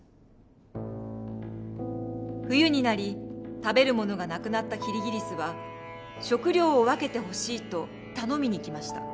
冬になり食べるものが無くなったキリギリスは食料を分けてほしいと頼みに来ました。